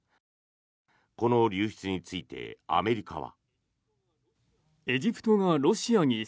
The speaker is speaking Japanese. この流出についてアメリカは。